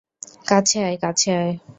কাছে আয়, কাছে আয়!